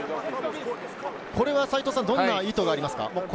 これはどんな意図がありますか？